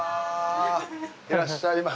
いらっしゃいませ。